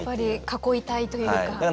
囲いたいというか。